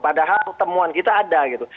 padahal temuan kita ada gitu